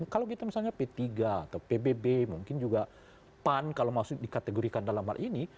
kalau kita misalnya p tiga atau pbb mungkin juga pan kalau masuk dikategorikan dalam hal ini